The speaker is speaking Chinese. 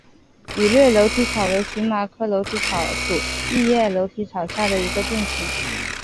羽裂楼梯草为荨麻科楼梯草属异叶楼梯草下的一个变型。